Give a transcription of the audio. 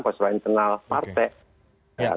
pasrah internal partai